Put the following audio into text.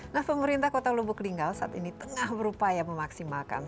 nah pemerintah kota lubuk linggau saat ini tengah berupaya memaksimalkan